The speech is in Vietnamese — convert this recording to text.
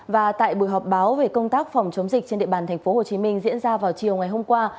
và tại buổi họp báo về công tác phòng chống dịch trên địa bàn tp hcm diễn ra vào chiều ngày hôm qua